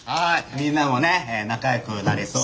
みんなもね仲よくなれそう。